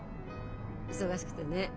忙しくてねえ。